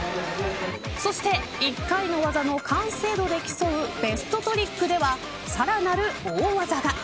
そして１回の技の完成度で競うベストトリックではさらなる大技が。